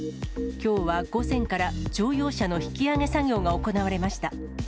きょうは午前から、乗用車の引き上げ作業が行われました。